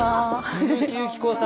鈴木由紀子さん。